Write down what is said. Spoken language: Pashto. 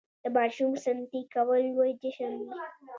د ماشوم سنتي کول لوی جشن وي.